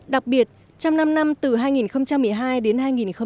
đặc biệt trong năm năm từ hai nghìn một mươi hai đến hai nghìn một mươi tám